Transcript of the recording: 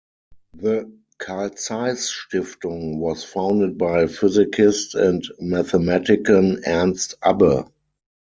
The Carl-Zeiss-Stiftung was founded by physicist and mathematician Ernst Abbe.